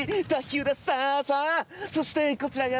そしてこちらが。